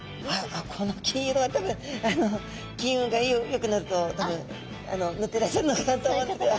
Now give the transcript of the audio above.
あっこの金色は多分金運がよくなるとぬっていらっしゃるのかなと思うんですけど。